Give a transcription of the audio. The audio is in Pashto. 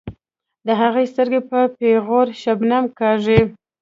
د هغو سترګې په پیغور شبنم کاږي.